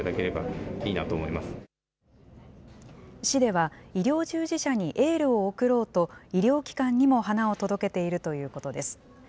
市では、医療従事者にエールを送ろうと、医療機関にも花を届けているということです。